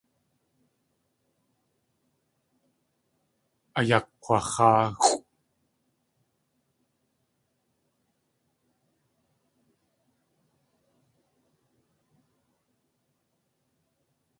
Ayakg̲wax̲áaxʼw.